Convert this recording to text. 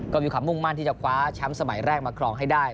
ก็มีความมุ่งมั่นที่จะคว้าแชมป์สมัยแรกมาครองให้ได้